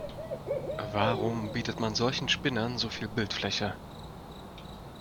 Warum bietet man solchen Spinnern so viel Bildfläche?